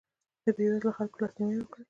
د بېوزلو خلکو لاسنیوی وکړئ.